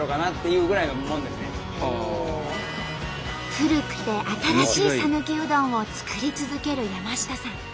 古くて新しいさぬきうどんを作り続ける山下さん。